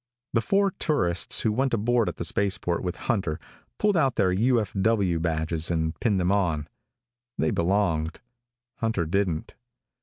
The four tourists who went aboard at the spaceport with Hunter pulled out their U.F.W. badges and pinned them on. They belonged. Hunter didn't.